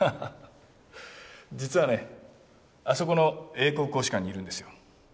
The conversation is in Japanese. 実はねあそこの英国公使館にいるんですよ